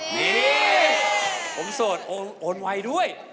นี่ผมโสดโอนไวด้วย